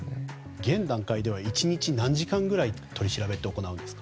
現段階では１日何時間ぐらい取り調べって行うんですか？